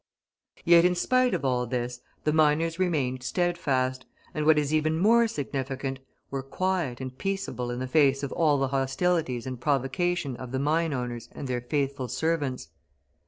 Yet, in spite of all this, the miners remained steadfast, and what is even more significant, were quiet and peaceable in the face of all the hostilities and provocation of the mine owners and their faithful servants.